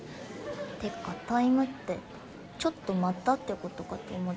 てか「ｔｉｍｅ」って「ちょっと待った」ってことかと思ったわ。